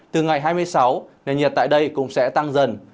từ ngày hai mươi sáu nền nhiệt tại đây cũng sẽ tăng dần